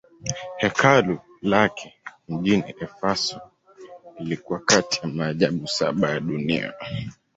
Hekalu lake mjini Efeso lilikuwa kati ya maajabu saba ya dunia.